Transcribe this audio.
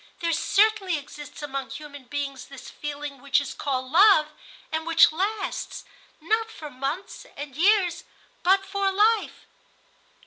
There certainly exists among human beings this feeling which is called love, and which lasts, not for months and years, but for life."